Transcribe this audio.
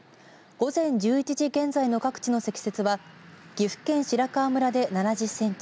午前１１時現在の各地の積雪は岐阜県白川村で７０センチ